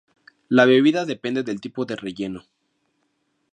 La bebida depende del tipo de relleno.